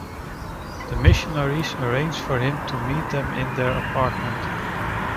The missionaries arrange for him to meet them in their apartment.